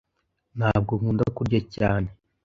Ntabwo nkunda kurya cyane.